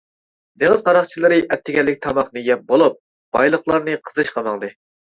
دېڭىز قاراقچىلىرى ئەتىگەنلىك تاماقنى يەپ بولۇپ بايلىقلارنى قىزىشقا ماڭدى.